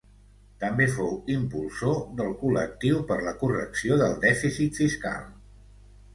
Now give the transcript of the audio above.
També fou impulsor del Col·lectiu per la Correcció del Dèficit Fiscal.